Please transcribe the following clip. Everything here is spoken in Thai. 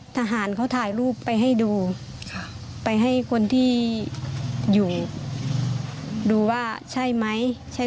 ทหารเขาถ่ายรูปไปให้ดูไปให้คนที่อยู่ดูว่าใช่ไหม